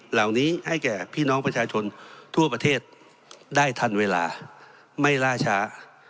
เหล่านี้ให้แก่พี่น้องประชาชนทั่วประเทศได้ทันเวลาไม่ล่าช้า